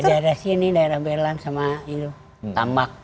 ya daerah sini daerah belan sama jalan tambak